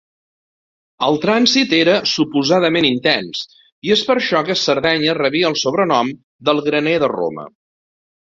El trànsit era suposadament intens i és per això que Sardenya rebia el sobrenom d'"el graner de Roma".